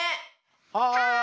はい！